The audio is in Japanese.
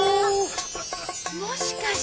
もしかして。